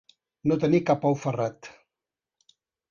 No tenir-hi cap ou ferrat.